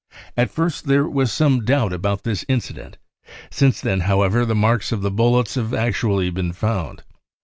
At first there was some doubt about this incident. Since then, however, the marks of the bullets have actually been found.